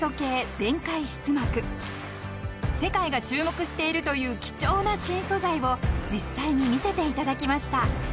［世界が注目しているという貴重な新素材を実際に見せていただきました］